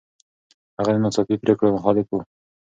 هغه د ناڅاپي پرېکړو مخالف و.